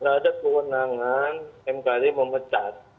ada kewenangan mkd memecat